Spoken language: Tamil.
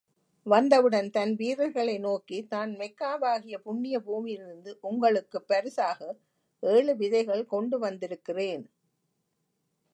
வந்தவுடன் தன் வீரர்களை நோக்கி, நான் மெக்காவாகிய புண்ணிய பூமியிலிருந்து உங்களுக்குப் பரிசாக ஏழு விதைகள் கொண்டு வந்திருக்கிறேன்.